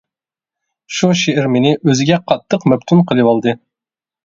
شۇ شېئىر مېنى ئۆزىگە قاتتىق مەپتۇن قىلىۋالدى.